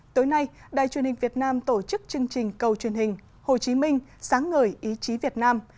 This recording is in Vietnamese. tối nay đài truyền hình việt nam tổ chức chương trình cầu truyền hình hồ chí minh sáng ngời ý chí việt nam